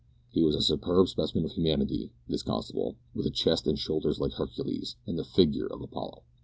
He was a superb specimen of humanity, this constable, with a chest and shoulders like Hercules, and the figure of Apollo.